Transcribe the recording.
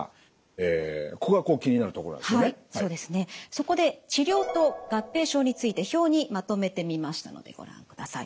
そこで治療と合併症について表にまとめてみましたのでご覧ください。